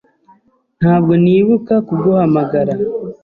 Ntabwo nibuka kuguhamagara.